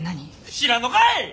知らんのかい！